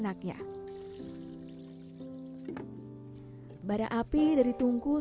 suami landep telah meninggal